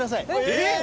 えっ！